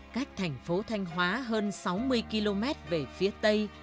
cách thành phố thanh hóa hơn sáu mươi km về phía tây